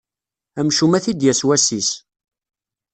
Amcum ad t-id-yas wass-is!